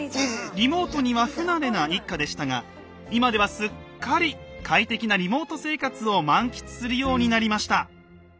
リモートには不慣れな一家でしたが今ではすっかり快適なリモート生活を満喫するようになりました。